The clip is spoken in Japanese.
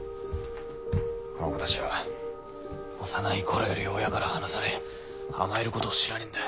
この子たちは幼い頃より親から離され甘えることを知らねぇんだ。